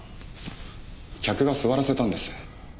客が座らせたんです。